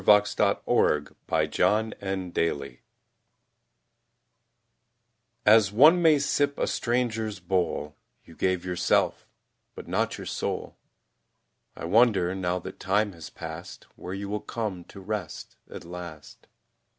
Song of Khan Zada As one may sip a Stranger's Bowl You gave yourself but not your soul. I wonder, now that time has passed, Where you will come to rest at last.